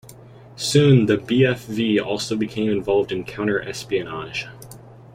Soon the BfV also became involved in counter-espionage.